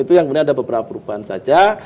itu yang kemudian ada beberapa perubahan saja